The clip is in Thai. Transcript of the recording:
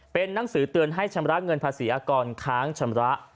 เป็นหนังสือเตือนให้ชำระเงินภาษีอากรค้างชำระ